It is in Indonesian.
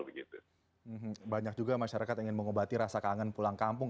banyak juga masyarakat ingin mengobati rasa kangen pulang kampung